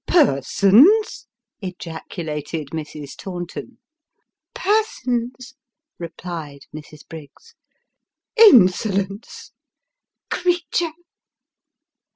' Persons !" ejaculated Mrs. Taunton. ' Persons," replied Mrs. Briggs. ' Insolence !"' Creature